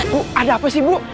bu ada apa sih bu